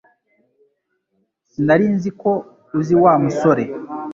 Sinari nzi ko uzi wa musore